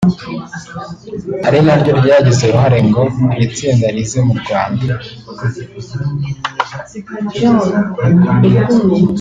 ari naryo ryagize uruhare ngo iri tsinda rize mu Rwanda